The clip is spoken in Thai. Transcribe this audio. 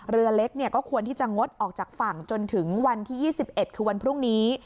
เรือเล็กก็ควรที่จะงดออกจากฝั่งจนถึงวันที่๒๑คือวันพรุ่งนี้